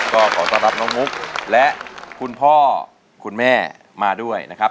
ก็ขอต้อนรับน้องมุกและคุณพ่อคุณแม่มาด้วยนะครับ